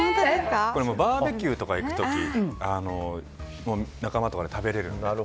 バーベキューとか行く時仲間とかで食べれるので。